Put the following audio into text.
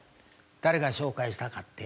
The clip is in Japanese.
誰が紹介したかって？